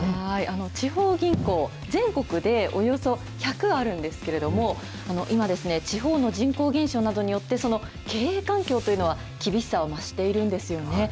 地方銀行、全国でおよそ１００あるんですけれども、今ですね、地方の人口減少などによって、その経営環境というのは厳しさを増しているんですよね。